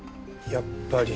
やっぱり。